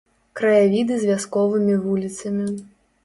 Краявіды з вясковымі вуліцамі.